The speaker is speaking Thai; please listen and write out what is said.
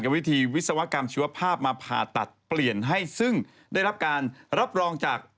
วิธีวิศวกรรมชีวภาพมาผ่าตัดเปลี่ยนให้ซึ่งได้รับการรับรองจาก